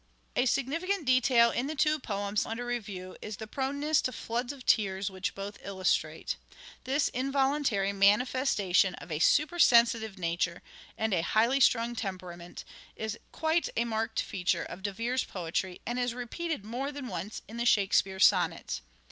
A significant detail in the two poems under review "Othello is the proneness to floods of tears which both illustrate. and .• weeping. This involuntary manifestation of a supersensitive nature and a highly strung temperament is quite a marked feature of De Vere's poetry and is repeated more than once in the "Shakespeare" sonnets.